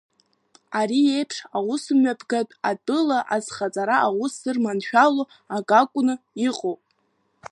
Ари еиԥш аусмҩаԥгатә атәыла азхаҵара аус зырманшәало акакәны иҟоуп!